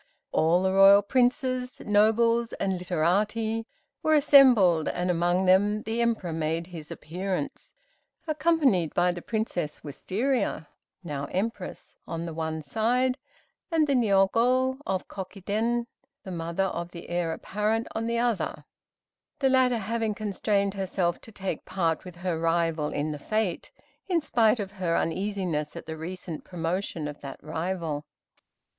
All the Royal Princes, nobles and literati were assembled, and among them the Emperor made his appearance, accompanied by the Princess Wistaria (now Empress) on the one side, and the Niogo of Kokiden, the mother of the Heir apparent on the other; the latter having constrained herself to take part with her rival in the fête, in spite of her uneasiness at the recent promotion of that rival.